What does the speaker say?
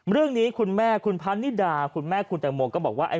เรื่องนี้คุณแม่คุณพะนิดาคุณแม่คุณแตงโมก็บอกว่า